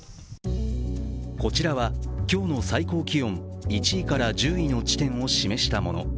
こちらは今日の最高気温の１位から１０位の地点を示したもの。